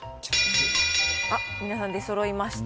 皆さん、出そろいました。